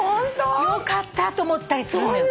よかった！と思ったりするのよ。